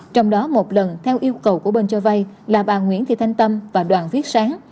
trong đó một lần theo yêu cầu của bên cho vay là bà nguyễn thị thanh tâm và đoàn viết sáng